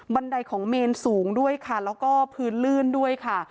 ไดของเมนสูงด้วยค่ะแล้วก็พื้นลื่นด้วยค่ะ